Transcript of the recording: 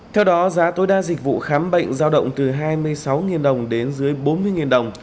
theo đó giá tối đa dịch vụ khám bệnh giao động từ hai mươi sáu đồng đến dưới bốn mươi đồng